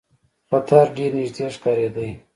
خطر ډېر نیژدې ښکارېدی.